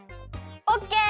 オッケー！